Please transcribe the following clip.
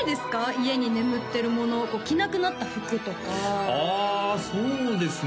家に眠ってるもの着なくなった服とかあそうですね